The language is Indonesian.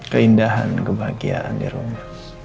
keindahan kebahagiaan di rumah